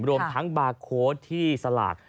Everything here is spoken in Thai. รวมทั้งบาร์โค้ดที่สลาก